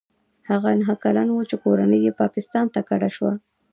هغه نهه کلن و چې کورنۍ یې پاکستان ته کډه شوه.